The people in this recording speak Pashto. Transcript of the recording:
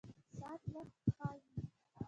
ساعت وخت ښيي